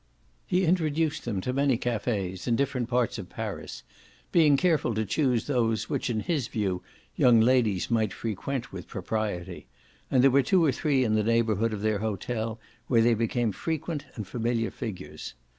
He introduced them to many cafes, in different parts of Paris, being careful to choose those which in his view young ladies might frequent with propriety, and there were two or three in the neighbourhood of their hotel where they became frequent and familiar figures.